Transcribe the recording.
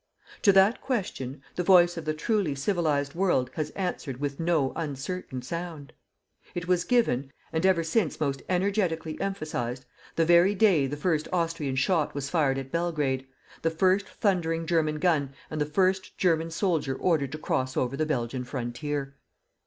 To that question, the voice of the truly civilized world has answered with no uncertain sound. It was given, and ever since most energetically emphasized, the very day the first Austrian shot was fired at Belgrade, the first thundering German gun and the first German soldier ordered to cross over the Belgian frontier.